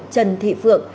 trần thị phượng